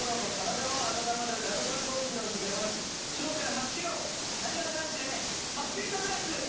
初披露なにわ男子で「ハッピーサプライズ」。